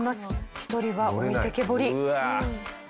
一人は置いてけぼり。